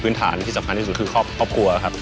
ฐานที่สำคัญที่สุดคือครอบครัวครับ